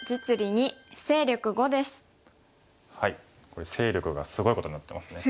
これ勢力がすごいことになってますね。